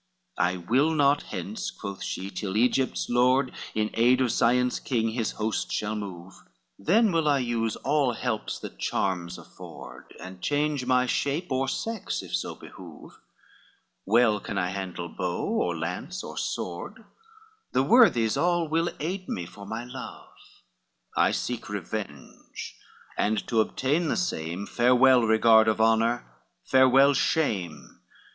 LXXII "I will not hence," quoth she, "till Egypt's lord In aid of Zion's king his host shall move; Then will I use all helps that charms afford, And change my shape or sex if so behove: Well can I handle bow, or lance, or sword, The worthies all will aid me, for my love: I seek revenge, and to obtain the same, Farewell, regard of honor; farewell, shame.